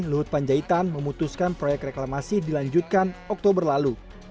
luhut panjaitan memutuskan proyek reklamasi dilanjutkan oktober lalu